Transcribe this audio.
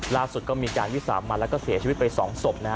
ล่าสุดก็มีการวิสามันแล้วก็เสียชีวิตไป๒ศพนะฮะ